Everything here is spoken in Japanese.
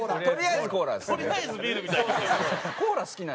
とりあえずコーラです。